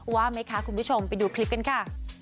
ว่าไหมคะคุณผู้ชมไปดูคลิปกันค่ะ